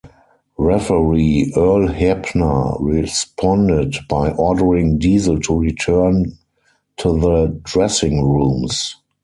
Referee Earl Hebner responded by ordering Diesel to return to the dressing rooms.